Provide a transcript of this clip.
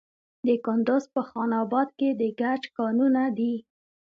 د کندز په خان اباد کې د ګچ کانونه دي.